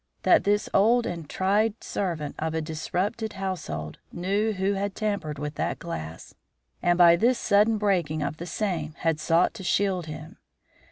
that this old and tried servant of a disrupted household knew who had tampered with that glass, and by this sudden breaking of the same had sought to shield him.